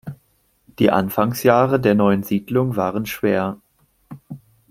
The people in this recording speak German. Die Anfangsjahre der neuen Siedlung waren schwer.